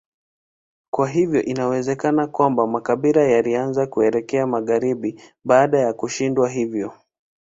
Kwa hiyo inawezekana kwamba makabila yalianza kuelekea magharibi baada ya kushindwa hivyo.